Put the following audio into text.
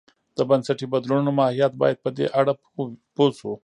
د بنسټي بدلونو ماهیت باید په دې اړه پوه شو.